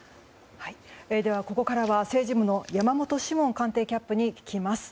ここからは政治部の山本志門官邸キャップに聞きます。